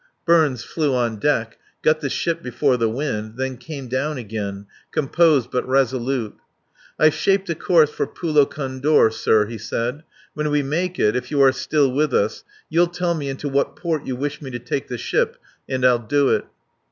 Burns flew on deck, got the ship before the wind, then came down again composed, but resolute. "I've shaped a course for Pulo Condor, sir," he said. "When we make it, if you are still with us, you'll tell me into what port you wish me to take the ship and I'll do it."